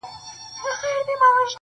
• شپې اخیستی لاره ورکه له کاروانه..